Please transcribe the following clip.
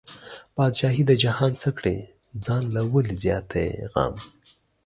بادشاهي د جهان څه کړې، ځان له ولې زیاتی غم